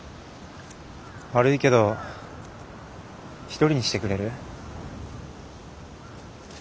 悪いけど一人にしてくれる？